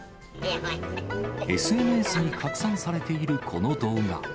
ＳＮＳに拡散されているこの動画。